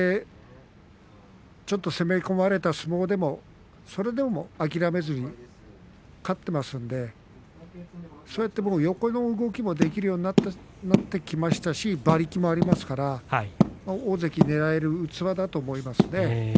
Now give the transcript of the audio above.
ちょっと攻め込まれた相撲でもそれでも諦めずに勝っていますのでそうやって横の動きもできるようになってきましたし馬力もありますから大関をねらえる器だと思います。